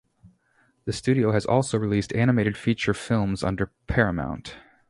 The studio has also released animated feature films under Paramount.